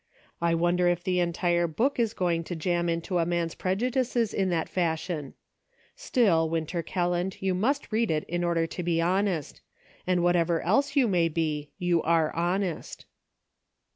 I wonder if the entire book is going to jam into a man's prejudices in that fashion ? Still, Winter Kelland, you must read it in order to be honest ; and whatever else you may be, you are honest."